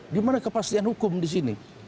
di mana kepastian hukum di sini